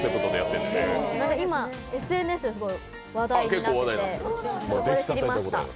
今、ＳＮＳですごい話題になってて、そこで知りました。